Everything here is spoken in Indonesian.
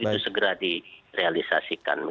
itu segera direalisasikan